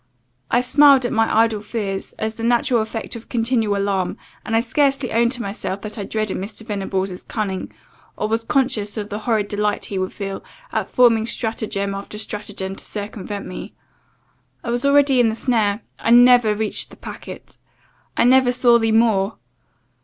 I smiled at my idle fears, as the natural effect of continual alarm; and I scarcely owned to myself that I dreaded Mr. Venables's cunning, or was conscious of the horrid delight he would feel, at forming stratagem after stratagem to circumvent me. I was already in the snare I never reached the packet I never saw thee more.